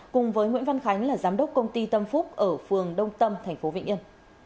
cùng với nguyễn văn khánh là giám đốc công ty tâm phúc ở phường đông tâm tp vĩnh yên